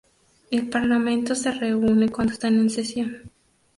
El parlamento se reúne cuando está en sesión.